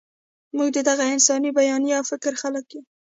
موږ د دغه انساني بیانیې او فکر خلک یو.